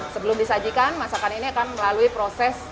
sebelum disajikan masakan ini akan melalui proses